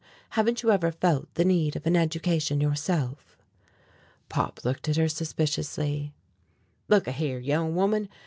Haven't you ever felt the need of an education yourself?" Pop looked at her suspiciously: "Look a here, young woman.